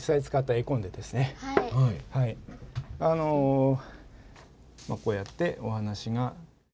あのまあこうやってお話が。